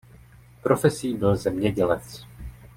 Profesí byl zemědělec.